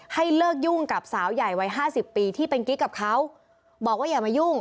ให้เลิกยุ่งกับสาวใหญ่วัยห้าสิบปีที่เป็นกิ๊กกับเขาบอกว่าอย่ามายุ่ง